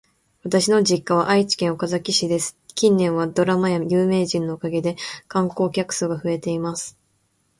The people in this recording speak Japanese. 私の実家は愛知県岡崎市です。近年はドラマや有名人のおかげで観光客数が増えています。